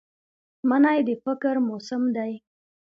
مني د فکر موسم دی